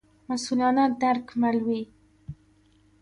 مسوولانه درک مل وي.